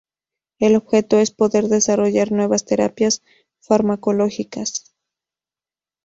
El objetivo es poder desarrollar nuevas terapias farmacológicas.